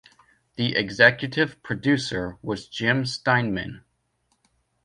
The executive producer was Jim Steinman.